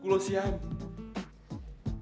puasa insya allah